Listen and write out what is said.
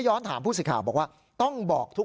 จริง